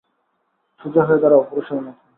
সোজা হয়ে দাঁড়াও পুরুষের মতো!